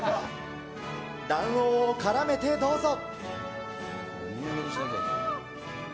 卵黄をからめてどうぞ。